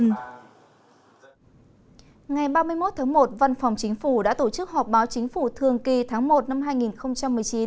ngày ba mươi một tháng một văn phòng chính phủ đã tổ chức họp báo chính phủ thường kỳ tháng một năm hai nghìn một mươi chín